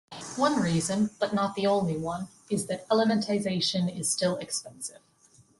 One reason, but not the only one, is that elementization is still expensive.